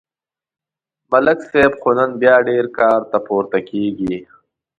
ملک صاحب خو نن بیا ډېر کار ته پورته کېږي